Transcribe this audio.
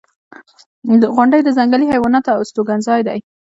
• غونډۍ د ځنګلي حیواناتو استوګنځای دی.